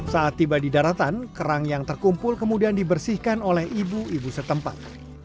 saat tiba di daratan kerang yang terkumpul kemudian dibersihkan oleh ibu ibu setempat